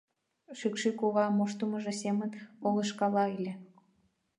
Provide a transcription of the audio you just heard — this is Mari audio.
Шӱкшӱ кува моштымыжо семын полышкала ыле...